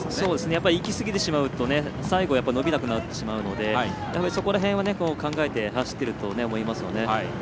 いきすぎてしまうと最後、伸びなくなってしまうのでそこら辺は考えて走ってると思います。